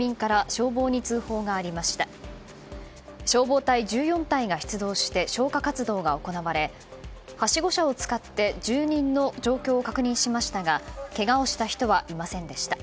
消防隊１４隊が出動して消火活動が行われはしご車を使って住人の状況を確認しましたがけがをした人はいませんでした。